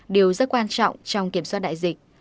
điều rất quan trọng trong kiểm soát đại dịch